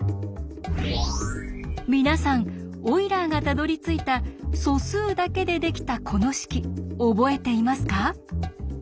皆さんオイラーがたどりついた素数だけでできたこの式覚えていますか？